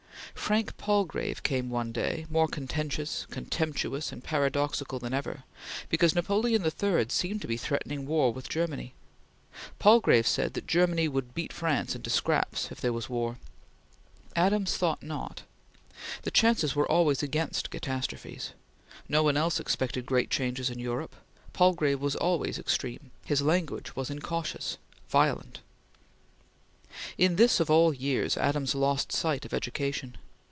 Frank Palgrave came one day, more contentious, contemptuous, and paradoxical than ever, because Napoleon III seemed to be threatening war with Germany. Palgrave said that "Germany would beat France into scraps" if there was war. Adams thought not. The chances were always against catastrophes. No one else expected great changes in Europe. Palgrave was always extreme; his language was incautious violent! In this year of all years, Adams lost sight of education.